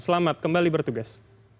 selamat kembali bertugas